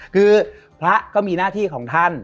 คือพระก็มีหน้าที่ของท่าน